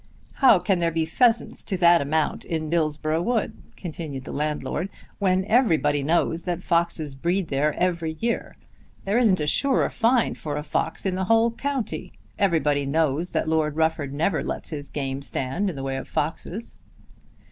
"How can there be pheasants to that amount in Dillsborough Wood," continued the landlord, "when everybody knows that foxes breed there every year? There isn't a surer find for a fox in the whole county. Everybody knows that Lord Rufford never lets his game stand in the way of foxes."